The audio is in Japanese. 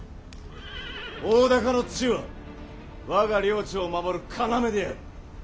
大高の地は我が領地を守る要である。